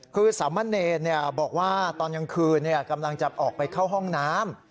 คือสามะเนรบอกว่าตอนกลางคืนกำลังจะออกไปเข้าห้องน้ำ